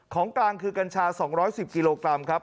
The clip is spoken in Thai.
ของกลางคือกัญชา๒๑๐กิโลกรัมครับ